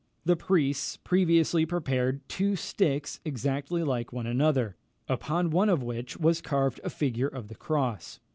The priests previously prepared two sticks exactly like one another, upon one of which was carved a figure of the cross.